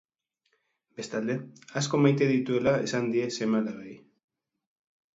Bestalde, asko maite dituela esan die seme-alabei.